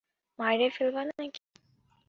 মাইরে ফেলবা নাকি।